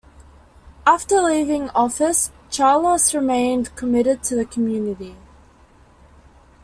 After leaving office, Chalos remained committed to the community.